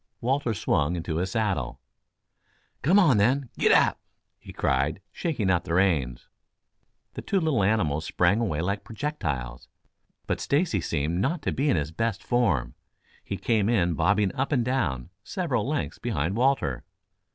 Walter swung into his saddle. "Come on, then. Gid ap!" he cried, shaking out the reins. The two little animals sprang away like projectiles. But Stacy seemed not to be in his best form. He came in bobbing up and down, several lengths behind Walter.